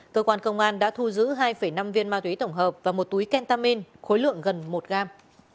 cơ quan công an đã thu giữ hai năm viên ma túy tổng hợp và một túi kentamin khối lượng gần một gram